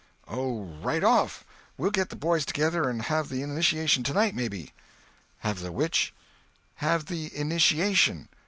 "Oh, right off. We'll get the boys together and have the initiation tonight, maybe." "Have the which?" "Have the initiation."